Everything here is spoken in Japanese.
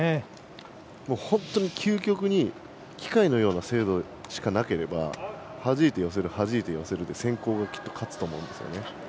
本当に究極に機械のような精度しかなければはじいて寄せるはじいて寄せるで先攻がきっと勝つと思うんです。